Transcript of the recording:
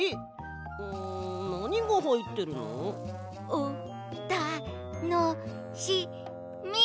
おたのしみ。